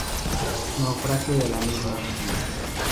Naufragio de la misma.